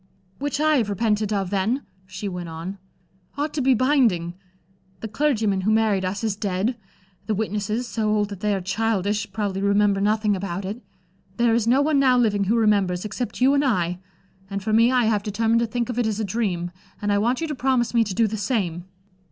"Which I have repented of, then," she went on, "ought to be binding. The clergyman who married us is dead; the witnesses, so old that they are childish, probably remember nothing about it. There is no one now living who remembers, except you and I. And for me I have determined to think of it as a dream, and I want you to promise me to do the same."